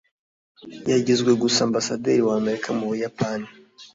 yagizwe gusa ambasaderi w'amerika mu buyapani